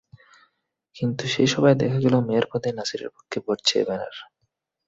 কিন্তু সেই সভায় দেখা গেল মেয়র পদে নাছিরের পক্ষে ভোট চেয়ে ব্যানার।